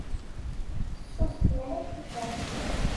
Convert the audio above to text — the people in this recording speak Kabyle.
Fessuset mliḥ tifart.